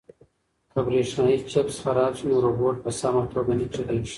که برېښنايي چپس خراب شي نو روبوټ په سمه توګه نه چلیږي.